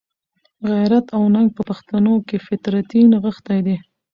غیرت او ننګ په پښتنو کښي فطرتي نغښتی دئ.